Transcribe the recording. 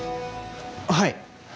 はい。